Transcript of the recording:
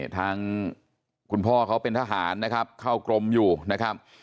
ทางคุณพ่อเขาเป็นทหารนะครับเข้ากรมอยู่นะครับ